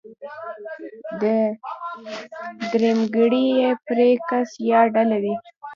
درېمګړی بې پرې کس يا ډله وي.